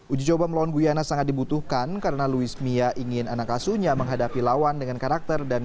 uji coba melawan guyana sangat dibutuhkan karena luismia ingin anak asunya menghadapi lawan dengan karakter dan kata